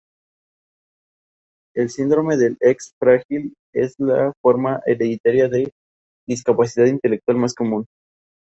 Michelle sufrió un aborto.